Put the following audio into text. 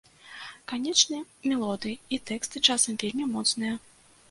Канечне, мелодыі і тэксты часам вельмі моцныя.